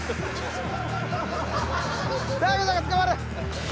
大悟さんが捕まる。